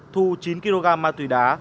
thu chín kg ma túy đá